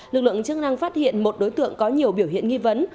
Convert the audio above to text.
lực lượng chức năng phát hiện một đối tượng có nhiều biểu hiện nghi vấn